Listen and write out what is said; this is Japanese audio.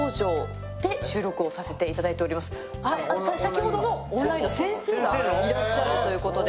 先ほどのオンラインの先生がいらっしゃるということで。